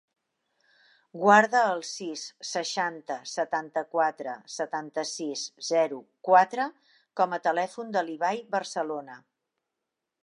Guarda el sis, seixanta, setanta-quatre, setanta-sis, zero, quatre com a telèfon de l'Ibai Barcelona.